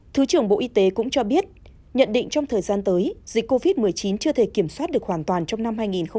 thứ trưởng bộ y tế cũng cho biết nhận định trong thời gian tới dịch covid một mươi chín chưa thể kiểm soát được hoàn toàn trong năm hai nghìn hai mươi